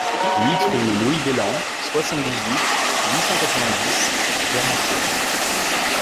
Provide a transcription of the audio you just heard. huit rue Louis Bellan, soixante-dix-huit, huit cent quatre-vingt-dix, Garancières